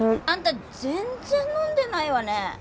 あんた全然飲んでないわね。